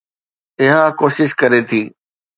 اها ڪوشش ڪري ٿي